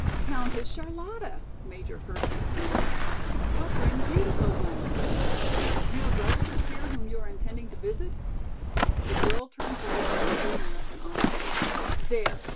"Countess Charlotta!" Major Hersey stammered. "What brings you to Coblenz? You have relatives here whom you are intending to visit?" The girl turned toward the older American officer. "There!